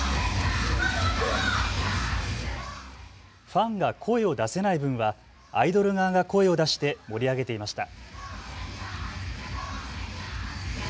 ファンが声を出せない分はアイドル側が声を出して盛り上げていました。